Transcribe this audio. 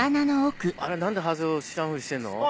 あれ何でハゼ雄知らんふりしてんの？